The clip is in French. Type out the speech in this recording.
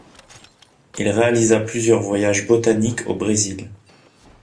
Il réalisa plusieurs voyages botaniques au Brésil.